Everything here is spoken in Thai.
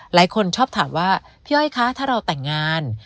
หลายคนชอบถามว่าพี่อ้อยคะถ้าเราแต่งงาน